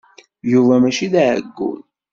Yuba mačči d aɛeggun.